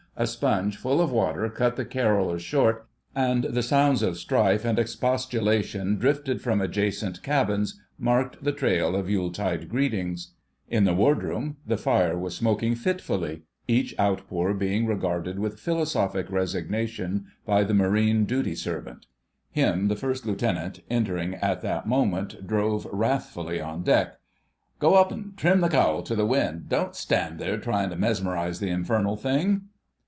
A sponge full of water cut the caroller short, and the sounds of strife and expostulation drifting from adjacent cabins marked the trail of Yuletide greetings. In the Wardroom the fire was smoking fitfully, each outpour being regarded with philosophic resignation by the Marine duty servant. Him the First Lieutenant, entering at that moment, drove wrathfully on deck. "Go up an' trim the cowl to the wind: don't stand there trying to mesmerise the infernal thing."